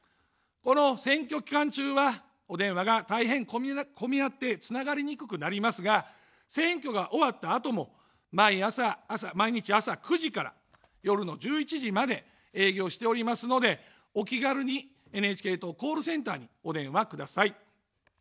この選挙期間中は、お電話が大変混み合ってつながりにくくなりますが、選挙が終わったあとも毎日朝９時から夜の１１時まで営業しておりますので、お気軽にＮＨＫ党コールセンターにお電話ください。